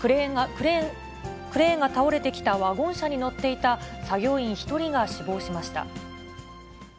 クレーンが倒れてきたワゴン車に乗っていた作業員１人が死亡しました。